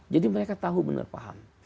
jadi mereka tahu benar paham